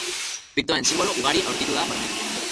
Piktoen sinbolo ugari aurkitu da barnean.